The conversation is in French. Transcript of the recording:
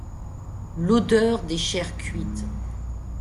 l’odeur des chairs cuites.